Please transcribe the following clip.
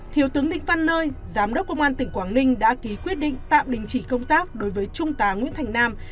thiếu tướng định văn nơi giám đốc công an tỉnh quảng ninh đã ký quyết định tạm đình chỉ công tác đối với trung tá nguyễn thành nam